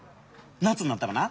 夏になったらな